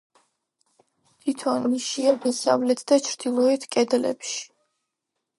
თითო ნიშია დასავლეთ და ჩრდილოეთ კედლებში.